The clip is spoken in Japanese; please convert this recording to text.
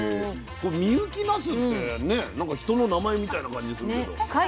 深雪なすってねなんか人の名前みたいな感じするけど。